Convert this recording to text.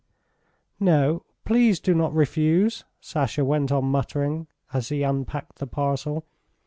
"No, please do not refuse," Sasha went on muttering as he unpacked the parcel.